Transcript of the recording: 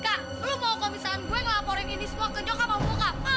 kak lu mau ke komisaran gue ngelaporin ini semua ke nyokap nyokap mau